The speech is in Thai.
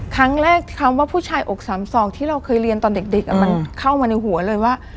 คำว่าผู้ชายอกสามสองที่เราเคยเรียนตอนเด็กมันเข้ามาในหัวเลยว่า